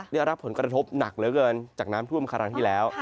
ได้รับผลกระทบหนักเหลือเกินจากน้ำท่วมครั้งที่แล้ว